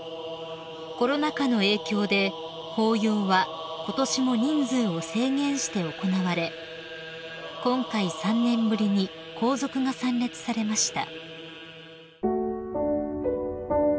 ［コロナ禍の影響で法要はことしも人数を制限して行われ今回３年ぶりに皇族が参列されました］